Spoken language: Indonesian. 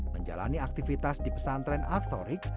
menjalani aktivitas di pesantren aktorik